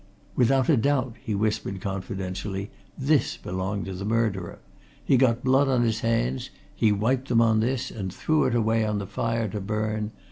"Without a doubt," he whispered confidentially, "this belonged to the murderer! He got blood on his hands he wiped them on this, and threw it away on the fire, to burn.